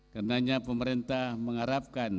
karenanya pemerintah mengharapkan